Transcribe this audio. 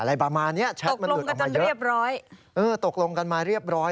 อะไรประมาณนี้แชทมันหลุดออกมาเยอะตกลงกันเรียบร้อย